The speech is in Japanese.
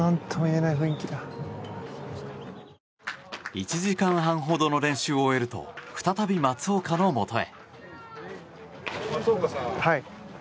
１時間半ほどの練習を終えると再び松岡のもとへ。